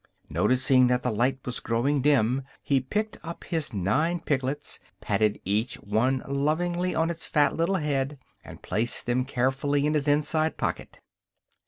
Noticing that the light was growing dim he picked up his nine piglets, patted each one lovingly on its fat little head, and placed them carefully in his inside pocket.